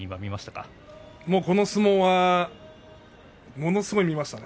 もうこの相撲はものすごい見ましたね。